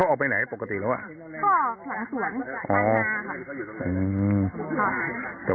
ออกไปไหนปกติแล้วอ่ม